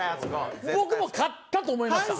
僕も勝ったと思いました。